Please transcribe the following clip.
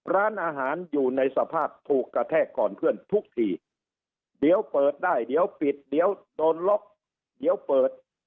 ร้านอาหารอยู่ในสภาพถูกกระแทกก่อนเพื่อนทุกทีเดี๋ยวเปิดได้เดี๋ยวปิดเดี๋ยวโดนล็อกเดี๋ยวเปิด